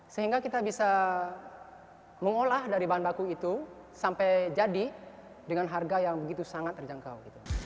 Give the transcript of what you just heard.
sehingga kita bisa mengolah dari bahan baku itu sampai jadi dengan harga yang begitu sangat terjangkau